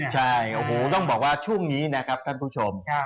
ใช่โอ้โหต้องบอกว่าช่วงนี้นะครับท่านผู้ชม